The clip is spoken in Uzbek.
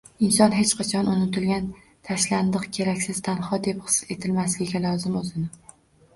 Inson hech qachon unutilgan, tashlandiq, keraksiz, tanho deb his etmasligi lozim o‘zini.